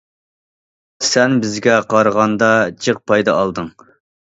سەن بىزگە قارىغاندا جىق پايدا ئالدىڭ.